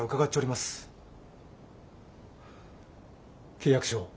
契約書を。